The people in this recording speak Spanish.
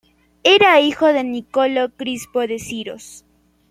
Era hijo de Niccolò Crispo de Siros.